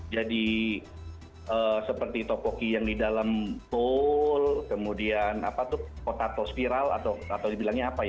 jadi seperti tokoki yang di dalam bowl kemudian apa tuh potato spiral atau atau dibilangnya apa